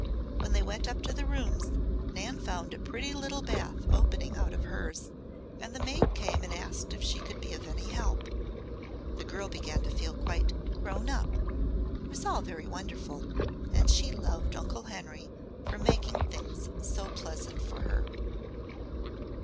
When they went up to the rooms Nan found a pretty little bath opening out of hers, and the maid came and asked her if she could be of any help. The girl began to feel quite "grown up." It was all very wonderful, and she loved Uncle Henry for making things so pleasant for her.